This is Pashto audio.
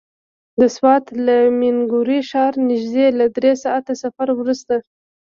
د سوات له مينګورې ښاره نژدې له دری ساعته سفر وروسته.